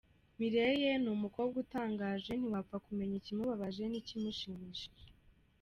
Mireille ni umukobwa utangaje, ntiwapfa kumenya ikimubabaje n’ikimushimishije.